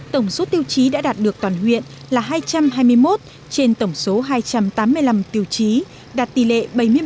tổng số tiêu chí đã đạt được toàn huyện là hai trăm hai mươi một trên tổng số hai trăm tám mươi năm tiêu chí đạt tỷ lệ bảy mươi ba